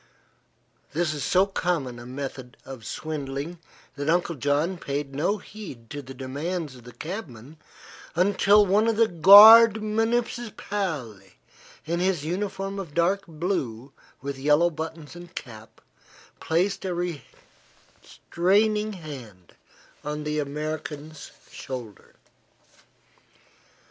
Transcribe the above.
This is so common a method of swindling that Uncle John paid no heed to the demands of the cabman until one of the Guard Municipale, in his uniform of dark blue with yellow buttons and cap, placed a restraining hand upon the American's shoulder.